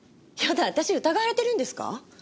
やだ私疑われてるんですか？